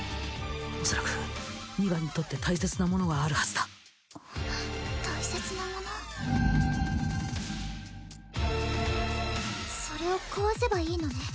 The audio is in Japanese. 恐らく二番にとって大切なものがあるはずだ大切なものそれを壊せばいいのね？